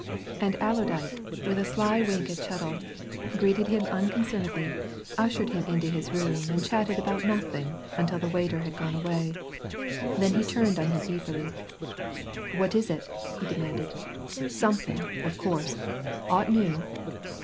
And Allerdyke, with a sly wink at Chettle, greeted him unconcernedly, ushered him into his room and chatted about nothing until the waiter had gone away. Then he turned on him eagerly. "What is it?" he demanded. "Something, of course! Aught new?"